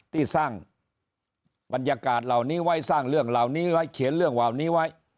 ที่สร้างบรรยากาศเหล่านี้ไว้สร้างเรื่องเหล่านี้ไว้เขียนเรื่องเหล่านี้ไว้